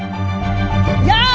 やあ！